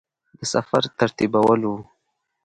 د سفر ترتیبول وه.